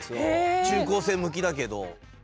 中高生向きだけど。